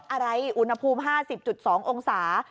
อะไรอุณหภูมิห้าสิบจุดสององศา